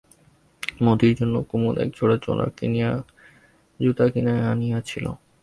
মতির জন্য কুমুদ একজোড়া জুতা কিনিয়া আনিয়াছিল।